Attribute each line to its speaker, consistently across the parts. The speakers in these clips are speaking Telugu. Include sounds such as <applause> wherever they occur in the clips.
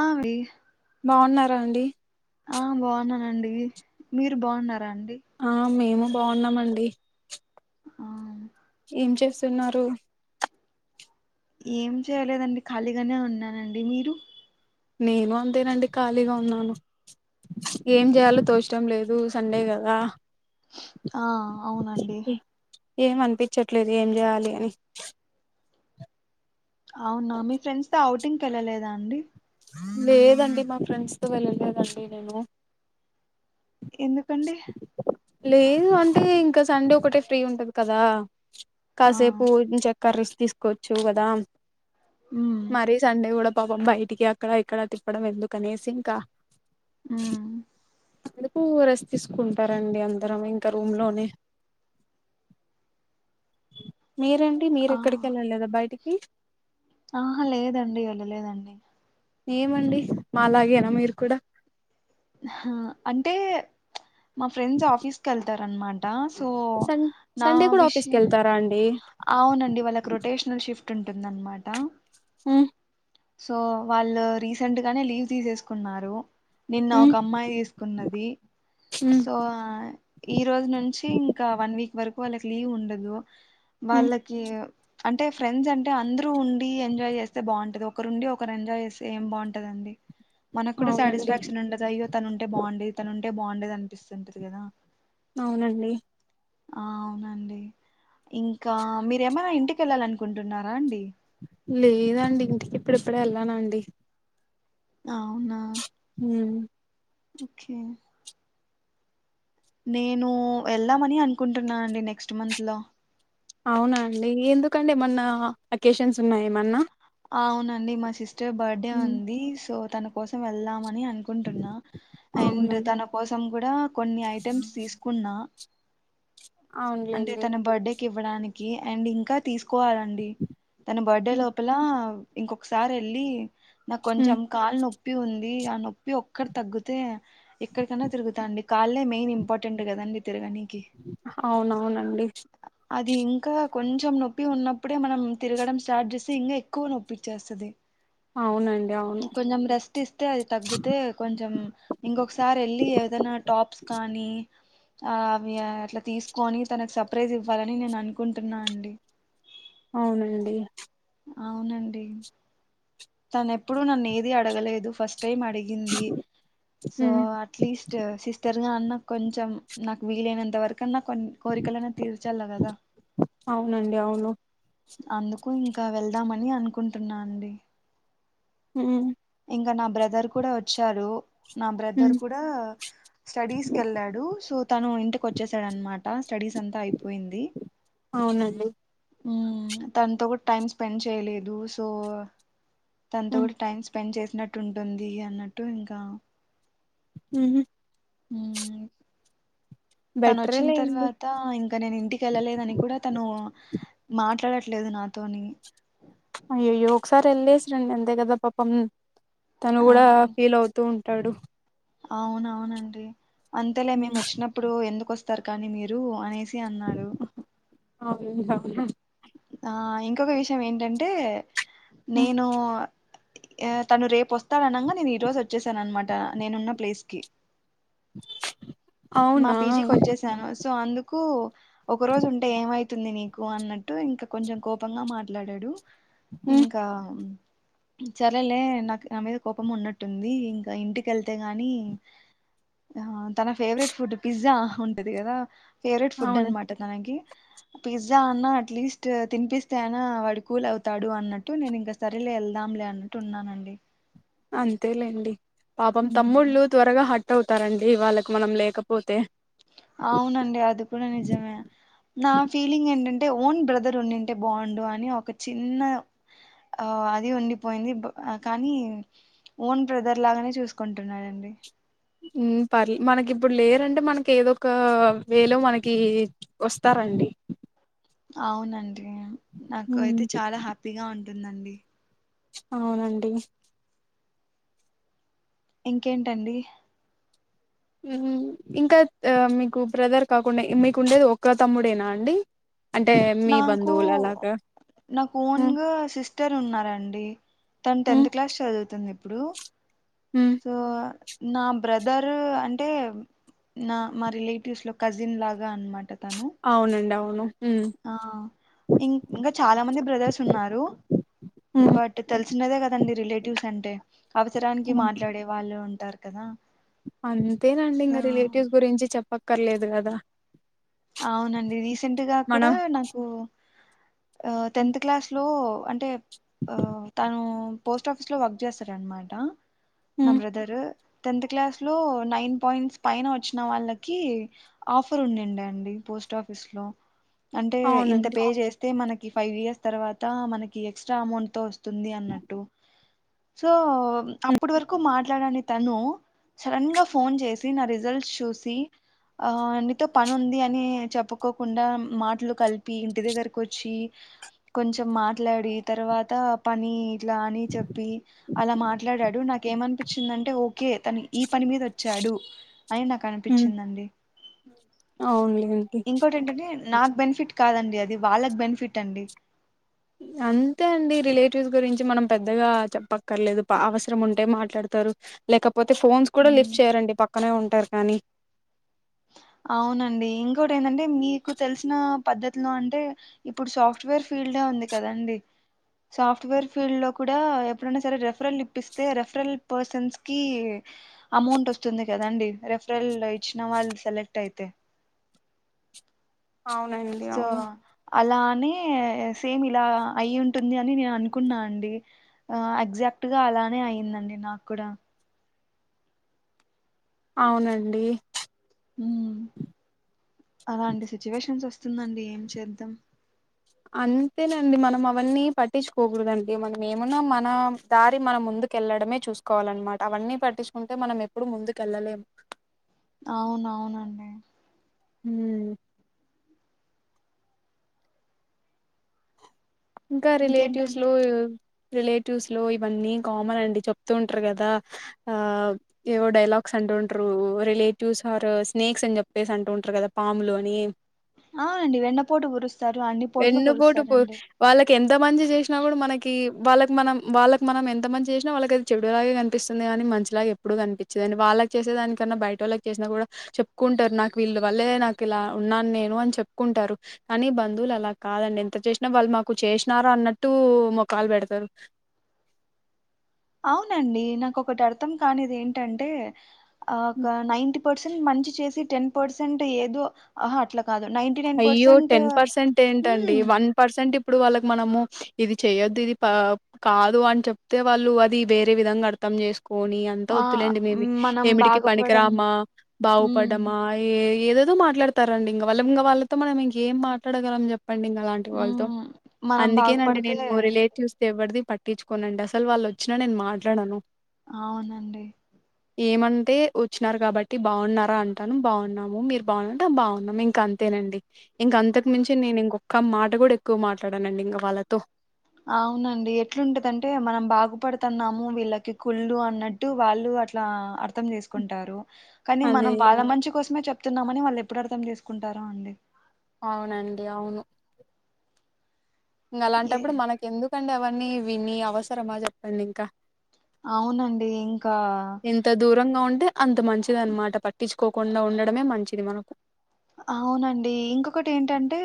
Speaker 1: ఆవి
Speaker 2: బాగున్నారా అండి
Speaker 1: ఆ బాగున్నానండి మీరు బాగున్నారా అండి
Speaker 2: ఆ మేము బాగున్నామండి
Speaker 1: ఆ
Speaker 2: ఏం చేస్తున్నారు
Speaker 1: ఏం చేయలేదండి ఖాళీగానే ఉన్నానండి మీరు
Speaker 2: నేను అంతేనండి ఖాళీగా ఉన్నాను, ఏం చేయాలో తోచడం లేదు సండే కదా
Speaker 1: ఆ అవునండి
Speaker 2: ఏం అనిపించట్లేదు ఏం చేయాలి అని
Speaker 1: అవునా మీ ఫ్రెండ్స్ త అవుట్ టింగ్ ఎళ్ళలేదా అండి
Speaker 2: లేదండి మా ఫ్రెండ్స్ తో వెళ్ళలేదండి నేను
Speaker 1: ఎందుకండి.
Speaker 2: లేదు అంటే ఇంకా. సండే ఒకటే ఫ్రీ ఉంటది కదా.
Speaker 1: ఆ
Speaker 2: కాసేపూ ఇటు నుంచే. కర్రీస్ తీసుకోవచ్చు కదా.
Speaker 1: ఉమ్
Speaker 2: మరి సండే గూడం పాపం బయిటికి అ అక్కడ ఇక్కడ తిప్పడం ఎందుకు అనేసి ఇంకా.
Speaker 1: మ్
Speaker 2: అంతలోపు రెస్ట్ తీసుకుంటరండి అందరం ఇంకా రూమ్ లోనే. మీరేంటి మీరు
Speaker 1: ఆ
Speaker 2: ఎక్కడికి ఎళ్ళలేదా బయటికి. ఇ
Speaker 1: ఆహా లేదండి వెళ్ళ లేదండి.
Speaker 2: ఏమండి మాలాగేనా మీరు కూడా.
Speaker 1: హ అంటే. మా ఫ్రెండ్స్ ఆఫీస్ కి వెళ్తారు. న్న మాట. సో,
Speaker 2: సన్
Speaker 1: నా
Speaker 2: సండే కూడా ఆఫీస్ కి
Speaker 1: విషయం
Speaker 2: వెళ్తారా అండి
Speaker 1: అవునండి వాళ్ళకి రొటేషనల్ షిఫ్ట్. పట్టు ఉంటుందన్నమాట.
Speaker 2: మ్
Speaker 1: సో వాళ్ళు రీసెంట్ గానే లీవ్ తీసేసుకున్నారు. నిన్న
Speaker 2: ఉమ్
Speaker 1: ఒక అమ్మాయి తీసుకున్నది
Speaker 2: ఉమ్
Speaker 1: సో ఆ ఈ రోజు నుంచి ఇంకా వన్ వీక్ వరకు వాళ్ళకి లీవ్ ఉండదు.
Speaker 2: ఉమ్
Speaker 1: వాళ్ళకీ అంటే ఫ్రెండ్స్ అంటే అందరూ ఉండి ఎంజాయ్ చేస్తే బాగుంటది. ఒకరుండి ఒకరు ఎంజాయ్ చేస్తే ఏం బాగుంటదండి మనకు కూడా
Speaker 2: అవునండి
Speaker 1: స్టాటిస్ఫాక్షన్ ఉండదు అయ్యో తనుంటే బాగుండే తనుంటే అంటే బాగుండేది అనిపిస్తుంటది కదా.
Speaker 2: అవునండి
Speaker 1: ఆ అవునండి ఇంకా మీరేమైనా ఇంటికి వెళ్ళాల అనుకుంటున్నారా అండి.
Speaker 2: లేదండి ఇంటికి ఇప్పుడిప్పుడే వెళ్ళనండి
Speaker 1: అవునా
Speaker 2: ఉ
Speaker 1: ఓకే నేను వెళ్దామని అనుకుంటున్నా అండి నెక్స్ట్ మంత్ లో
Speaker 2: అవునా అండి ఎందుకండి ఏమన్నా అకేషన్స్ ఉన్నాయ ఏమన్నా
Speaker 1: అవునండి మా సిస్టర్ బర్డే
Speaker 2: ఉమ్
Speaker 1: ఉంది సో తన కోసం వెళ్దామనీ అని అనుకుంటున్నా
Speaker 2: అవునా
Speaker 1: అండ్ తన కోసం <unintelligible> కొన్ని ఐటెమ్స్ తీసుకున్నా
Speaker 2: అవునులేండి
Speaker 1: కివ్వడానికి అండ్ ఇంకా తీసుకోవాలండి తన బర్త్డే
Speaker 2: ఉమ్
Speaker 1: లోపల ఇంకొకసారి ఎళ్ళి నా
Speaker 2: ఉమ్
Speaker 1: కొంచెం కాల్ నొ నొప్పి ఉంది ఆ నొప్పి ఒక్కటి తగ్గితే ఎక్కడికన్నా తిరుగుతా అండి కాళ్ళే మెయిన్ ఇంపార్టెంట్ కదండి తిరగని
Speaker 2: అవునవును అండి
Speaker 1: అది ఇంకా కొంచెం నొప్పి ఉన్నప్పుడే మనం తిరగడం స్టార్ట్ చేస్తే ఇంకా ఎక్కువ నొప్పిచ్చేస్తది
Speaker 2: అవునండి అవును
Speaker 1: కొంచెం రెస్ట్ ఇస్తే అది తగ్గితే కొంచెం ఇంకొకసారి వెళ్ళి ఏదైనా టాప్స్ కానీ ఆ అవి అట్లా తీసుకు కొని తనకు సర్ప్రైజ్ ఇవ్వాలని నేను అనుకుంటున్నా అండి
Speaker 2: అవునండి
Speaker 1: అవునండి తన ఎప్పుడుూ నన్ను ఏదిీ అడగలేదు ఫస్ట్ టైం అడిగింది సో
Speaker 2: ఉమ్
Speaker 1: అట్లీస్ట్ సిస్టర్ గా అన్న కొంచెం నాకు వీలైనంత వరకు న్నా కొన్ని కోరికలన్న తీర్చల కదా
Speaker 2: అవునండి అవును
Speaker 1: అందుకు ఇంకా వెళ్దామని అనుకుంటున్నా అండి
Speaker 2: హ
Speaker 1: ఇంకా నా బ్రదర్ కూడా వచ్చారు నా బ్రదర్
Speaker 2: ఉమ్
Speaker 1: కూడా స్టడీస్ కెళ్ళాడు సో తను ఇంటికి వచ్చేసాడనమాట స్టడీస్ అంతా అయిపో
Speaker 2: అవునండి
Speaker 1: హ్మ్మ్ తనతో కూడా టైమ్ స్పెండ్ చేయలేదు సో తనతో
Speaker 2: ఉమ్
Speaker 1: కూడా టైమ్ స్పెండ్ చేస్త వినట్టు ఉంటుంది అన్నట్టు ఇంకా
Speaker 2: హ
Speaker 1: హ తను వచ్చిన
Speaker 2: బెటరేలేండి
Speaker 1: తర్వాత ఇంకా నేను ఇంటికి వెళ్ళలేదని కూడా తను మాట్లాడ లేదు నాతోని
Speaker 2: అయ్యయ్యో ఒకసారి వెళ్లేసి రండి అంతే కదా పాపం తను
Speaker 1: ఆ
Speaker 2: కూడా ఫీల్ అవుతూ తాడు
Speaker 1: అవునవునండి అంతలే మేము వచ్చినప్పుడు ఎందుకు వస్త్ స్తారు కానీ మీరు అనేస్ తే అన్నాడు
Speaker 2: అవును పట్టకర
Speaker 1: ఆ ఇంకొక విషయం ఏంటంటే నేను అ తను రేపొస్త త్త అనంగా నేను ఈరోజు వచ్చేసనమాట టా నేనున్న ప్లేస్ కి మా
Speaker 2: అవునా
Speaker 1: పీజీకి వచ్చేసాను సో అందుక్ కు ఒక రోజు ఉంటే ఏమై తుంది నీకు అన్నట్టు ఇంకా కొంచెం కోపంగా మాట్లాడాడు ఇంకా సరేలే నాకు నా మీద కోపం ఉన్నట్టుంది ఇంకా ఇంటికెళ్తే గాని ఆ తన ఫేవరెట్ ఫుట్ ఫుడ్ పిజ్జా ఉంటది కదా ఫేవరెట్ ఫుడ్
Speaker 2: అవును
Speaker 1: అనమాట తనకి పిజ్జా అన్న అట్లీస్ట్ తినిపిస్తే అయినా వాడి కూల్ అవుతాడు అన్నట్టు నేను ఇంకా సరేలే వెళ్దాంలే అన్నట్టు ఉన్నానండి
Speaker 2: అంతే లేండి పాపం
Speaker 1: ఉమ్.
Speaker 2: తమ్ముళ్ళు త్వరగా హట్ వుతారండి వాళ్ళకి మనం లేకపోతే
Speaker 1: అవునండి అది కూడా నిజమే నా ఫీలింగ్ ఏంటంటే ఓన్ బ్రదర్ ఉండింటే బాండు అని ఒక చిన్న అది ఉండిపోయింది బ కానీ ఓన్ బ్రదర్ లాగానే చూసుకుంటున్నాారండి
Speaker 2: మ్మ్ పర్లే మనకి ఇప్పుడు లేరంటే మనకి ఏదో ఒక వేలో మనకి వస్తారండి
Speaker 1: అవునండి నాకు అయితే
Speaker 2: ఉమ్,
Speaker 1: చాలా హ్యాపీగా ఉన్ టుందండి
Speaker 2: అవునండి
Speaker 1: ఇంకేంటండి
Speaker 2: ఇన్ ఇంకా మీకు బ్రదర్ కాకుండా మీకుండేది ఒక్క తమ్ముడేనా అండి అంటే మీ
Speaker 1: నాకు
Speaker 2: బంధువులు అలాగా
Speaker 1: నాకు ఓన్
Speaker 2: ఉమ్,
Speaker 1: సిస్ ఇట్టరు ఉన్నారంండి తను టెన్త్
Speaker 2: ఉమ్,
Speaker 1: క్లాస్ చదువుతుంది ఇప్ ఇప్పుడు
Speaker 2: ఉమ్,
Speaker 1: సో నా బ్రదర్ అంటే నా మా రిలేటివ్స్ లో కజిన్ లాగా అనమాట తను
Speaker 2: అవునండి అవును అవు
Speaker 1: ఆ ఇం ఇంకా చాలా మంది బ్రదర్స్ ఉన్నారు
Speaker 2: ఉమ్,
Speaker 1: బట్ తెలిసినదే కదండి రిలేటివ్స్ సండే అవసరానికి మాట్లాడే వాళ్ళు ఉంటారు కదా
Speaker 2: అంతేనండి ఇంకా
Speaker 1: సో
Speaker 2: రిలేటివ్స్ గురించి చెప్ప పక్కర్లేదు కదా
Speaker 1: అవునండి రీసెంట్ గా కూడా
Speaker 2: మనం
Speaker 1: నాకు ఆ టెన్త్ క్లాస్ లో అంటే అ తను పోస్ట్ ఆఫీస్ లో వర్క్ చేస్తారనమాట నా
Speaker 2: హ్మ్
Speaker 1: బ్రదరు టెన్త్ క్లాస్ లో నైన్ పాయింట్స్ పైన వచ్చిన వాళ్ళకి ఆఫర్ ఉండండి అండి పోస్ట్ ఆఫీస్ లో అంటే ఇంత
Speaker 2: అవునండి
Speaker 1: పే చేస్తే మన ఈ ఫైవ్ ఇయర్స్ తర్వాత మనకి ఎక్స్ట్రా అమౌంట్ తొ వస్తు వస్తుది అన్నట్టు సో అప్పుడు వరకు మాట్లాడాని తను సడన్ గా ఫోన్ చేసి నా రిజల్ట్ చూసి ఆ నీతో పని ఉంది అ అని చెప్పుకోకుండా మాట్లు కలిపి ఇంటి దగ్గరకు వచ్చి కొంచెం మాట్లాడి తర్వాత పని ఇట్లా అని చెప్పి అలా మాట్లాడాడు నాకే ఏమనిపించిందంటే ఓకే తను ఈ పని మీద వచ్చాడు అయి నాకు
Speaker 2: హ్మ్
Speaker 1: అనిపించిందండి
Speaker 2: అవునులేండి
Speaker 1: ఇంకోటి ఏంటండి నాక్ బెనిఫి ఫిట్ కాదండి అది వాళ్ళకి బెనిఫిట్ అండి
Speaker 2: అంతే అండి రిలేటివ్స్ గురించి మనం పెద్దగా చెప్పక్కర్లేదు బా అవసరం ఉంటే మాట్లాడతారు లేక పోతే ఫోన్స్ కూడా లిఫ్ట్ చేయరండి పక్ క్కనే ఉంటారు కానీ
Speaker 1: అవునండి ఇంకోటి ఏంటంటే మీకు తెలిసిన పద్ధత్ లో అంటే ఇప్పుడు సాఫ్ట్వేర్ ఫీల్డ్ యే ఉంది కదండి సాఫ్ట్వేర్ ఫీల్డ్ లో కూడా ఎప్పుడైనా సరే రెఫరల్ ఇప్పిస్తే రెఫరల్ పర్సన్స్ కి అమౌంట్ వస్తుంది కదండి రెఫరల్ ఇచ్చిన వాళ్ళు సెలె ట్ ఐతే
Speaker 2: అవునండి అవును
Speaker 1: అలానే సేమ్ ఇలా అయి ఉంటుంది అని నేను అనుకున్నా అండి ఆ ఎగ్జాక్ట్గా అలానే అయిందండి నాకు కూడా
Speaker 2: అవునండి
Speaker 1: హ్మ్. తుందండి ఏం చేద్దాం
Speaker 2: అంతేనండి మనం అవన్నీ పట్టించుకోకూడదండి మనం ఏమున్నా మన దారి మనం ముందుకేళ్ళడమే చూసుకోవాలన్నమాట అవన్నీ పట్టించుకుంటే మనం ఎప్పుడు ముందుకు వెళ్ళలేమ్
Speaker 1: అవునవునండి
Speaker 2: ఉమ్ ఇంకా రిలేటివ్స్
Speaker 1: ఇంకేంటండి
Speaker 2: లో రిలేటివ్స్ లో ఇవన్నీ కామన్ అండి చెప్తూ ఉంట్రూ కదా ఆ ఏవో డైలాగ్స్ అంటుంట్రూ రిలేటివ్స్ ఆర్ స్నేక్స్ అని చెప్పేసి అంటుంట్రూ కదా పాములు అని
Speaker 1: ఆ అండి వెన్నపోటు పోరుస్తారు అన్ని పోట్లు
Speaker 2: వెన్నుపోటు పో
Speaker 1: పోరుస్తారండి
Speaker 2: వాళ్ళకి ఎంత మంచి జెసినా కూడా మనకి కీ వాళ్ళకి మనం, వాళ్ళకి మనం ఎంత మంచి జెసినా వాళ్ళకది చెడులాగే కనిపిస్తుంది గాని. మంచిలాగా ఎప్పుడు కనిపించిదిండి. వాళ్ళకి చేసే దానికన్నా బయటోళ్ళకి చేసినా కూడా చెప్పుకుంటారు. నాకు వీళ్ళు వాళ్లే నాకు ఇలా ఉన్నాను నేను అని చెప్పుకుంటారు కానీ బంధువులు అలా కాదండి ఎంత చేసినా వాళ్ళు మాక్ కు చేసినారన్నట్టు మోకాలు పెడతరు
Speaker 1: అవునండి నాకు ఒకటి అర్థం కానిది ఏంటంటే ఆక నైన్ట్ పర్సెంట్ మంచి చేసి టెన్ పర్సెంట్ ఎదో అహ అట్లా కాదు నైంటీ నైన్
Speaker 2: అయ్యో
Speaker 1: పర్సెంట్
Speaker 2: టెన్ పర్సెంట్ ఏంటండి
Speaker 1: ఉమ్
Speaker 2: వన్ పర్సెంటిప్ ఇప్పుడు వాళ్ళకి మనము ఇది చేయొద్దు ఇది పా కాదు అని చెప్తే వాళ్ళు అది వేరే విధంగా అర్థం చేస్ పోని అంతా
Speaker 1: ఆ
Speaker 2: వద్దులేండి మేము
Speaker 1: మనం
Speaker 2: ఏమిటికి
Speaker 1: బాగుపడం
Speaker 2: పనికిరామా
Speaker 1: ఉమ్
Speaker 2: బాగుపడమా ఏ ఏదేదో మాట్లాడతారండి ఇంగ వాళ్ళు ఇంగా వాళ్ చెప్తే మనం ఇంకేం మాట్లాడగలం చెప్ చెప్పండి ఇంగ అలాంటి వాళ్ళతో
Speaker 1: ఉమ్ మనం
Speaker 2: అందుకేనండి
Speaker 1: బాగుపడితే
Speaker 2: నేను రిలేటివ్స్ ఎవడితో పట్టించుకోనండి అసలు వాళ్ళోచ్చినా నేను మాట్లాడాను
Speaker 1: అవునండి
Speaker 2: ఏమంటే వచ్చినారు కాబట్టి బాగున్నారా అంటాను. బాగున్నాము మీరు బాగున్నా అంటే బాగున్నాము ఇంకా అంతేనండి ఇంక అంతకు మించి నేను ఇంకో ఒక్క మాట గుడా ఎక్కువ మాట్లాడనండి ఇంకా వాళ్ళతో
Speaker 1: అవునండి ఎట్లుంటదంటే మనం బాగుపడుతున్నాము వీళ్ళకి కుళ్ళు అన్నట్టు వాళ్ళు అట్లా అ అర్థం చేసుకుంటారు కాని
Speaker 2: అదే
Speaker 1: మనం వాళ్ళ మంచి కోసమే చెప్ తున్నామని వాళ్ళు ఎప్పుడూ అర్థం చేసుకుంటారో అండి
Speaker 2: అవునండి ఇంగ
Speaker 1: ఏ
Speaker 2: అలాంటప్పుడు మనకి ఎందుకండి అవ విని విని అవసరమా చెప్పండి ఇంకా
Speaker 1: అవునండి ఇంకా
Speaker 2: ఎంత దూరంగా ఉంటే అంత మంచిది అన్మాట పట్టించుకోకుండా ఉండడమే మంచిది మనకు
Speaker 1: అవునండి ఇంకొకటి ఏంటంటే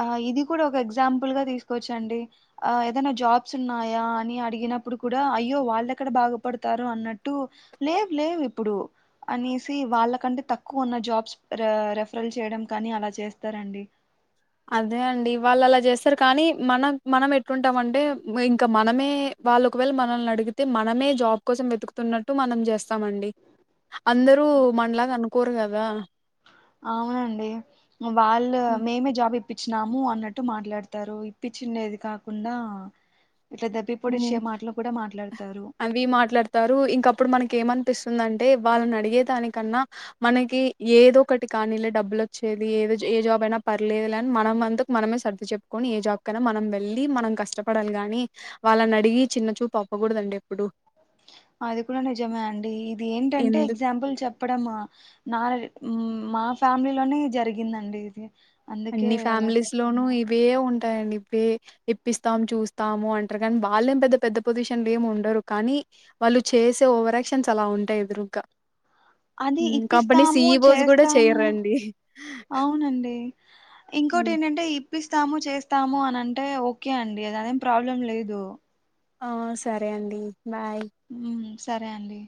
Speaker 1: ఆ ఇది కూడా ఒక ఎగ్జామ్ పుల్ గా తీసుకోవచ్చండి ఆ ఏదైనా జాబ్స్ ఉన్నాయా అని అడిగినప్పుడు కూడా అయ్యో వాళ్ళెక్కడ బాగుపడతారో అన్నట్టు లేవ్ లేవ్ ఇప్పుడు అనేసి వాళ్ళకంటే తక్కువ ఉన్న జాబ్స్ రే రెఫరల్ చేయడం కానీ అలా చేస్తారండి
Speaker 2: అదే అండి వాళ్ళ అలా చేస్తారు కానీ, మన మనం ఎట్టుంటామంటే, ఇంకా మనమే వాళ్ళు ఒకవేళ మనల్ని అడిగితే, మనమే జాబ్ కోసం వెతుకుతున్నట్టు మనం చేస్తామండి. అందరూ మనలాగా అనుకు కూరగాయల హా
Speaker 1: అవునండి వాళ్ళు
Speaker 2: హ్మ్.
Speaker 1: మేమే జాబ్ ఇప్పి ఇప్పించినాము అన్నట్టు మాట్లాడతారు. ఇప్పించినేది కాకుండా ఇట్లా దెబ్బి పొడిచే
Speaker 2: మ్
Speaker 1: మాటలు కూడా మాట్లాడతారు
Speaker 2: అవి మాట్లాడతారు. ఇంక అప్పుడు మనకి ఏమనిపిస్తుందంటే అంటే వాళ్ళని అడిగేదానికన్నా, మనకి ఏదో ఒకటి కానీలే డబ్బులు వచ్చేది. ఏదో ఏ జాబ్ అయినా పర్లేదులే, అని మనం అంతకు మనమే సర్ది చెప్పుకొని ఏ జాబ్ కైనా మనం వెళ్ళి, మనం కష్టపడాలి గాని. వాళ్ళని అడిగి చిన్నచూపు అవ్వకూడదండి. ఎప్పుడు
Speaker 1: అది కూడా నిజమే అండీ ఇది ఏంటంటే
Speaker 2: ఎందుకు
Speaker 1: ఎగ్జామ్ పుల్ చెప్పడం ఆ అ మ్ మా ఫ్యామిలీ లోనే జరిగిందండి ఇది అందుకే
Speaker 2: అన్ని
Speaker 1: అలా
Speaker 2: ఫ్యామిలీస్ లోనూ
Speaker 1: చెప్తున్నా
Speaker 2: ఇవే ఉన్ ఉంటాయండి పే ఇప్పిస్తాం చూస్తాం అంటారు కానీ, వాళ్ళేం పెద్ద పెద్ద పోజిషన్ ఏమి ఉండరు కానీ, వాళ్ళు చేసే ఓవరాయాక్షన్స్ అలా ఉంటాయి. ఎదురుగా
Speaker 1: అది
Speaker 2: మ్ కంపెనీ
Speaker 1: ఇప్పిస్తాము
Speaker 2: సిఈవోస్ కూడా
Speaker 1: చేస్తాము
Speaker 2: చేయరండి
Speaker 1: అవునండి ఇంకోటి ఏంటంటే ఇప్ ఇప్పిస్తాము చేస్తాము అని అంటే ఓకే అండి. అదేం ప్రాబ్లం లేదు.
Speaker 2: ఆ సరే అండి బాయ్
Speaker 1: ఉమ్, సరే అండి